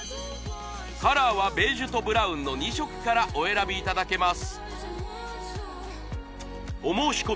カラーはベージュとブラウンの２色からお選びいただけます